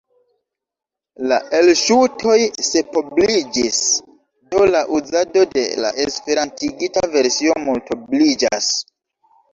La elŝutoj sepobliĝis, do la uzado de la esperantigita versio multobliĝas.